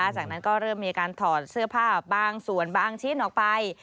จากนั้นก็เริ่มมีการถอดเสื้อผ้าบางส่วนบางชิ้นออกไป